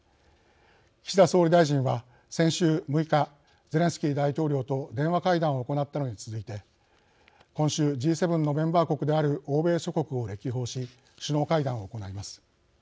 岸田総理大臣は先週６日ゼレンスキー大統領と電話会談を行ったのに続いて今週Ｇ７のメンバー国である欧米諸国を歴訪し首脳会談を行います。